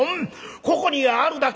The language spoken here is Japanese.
ここにあるだけ。